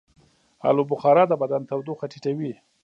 آلوبخارا د بدن تودوخه ټیټوي.